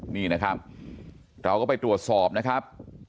นี่นะครับเราก็ไปตรวจสอบนะครับ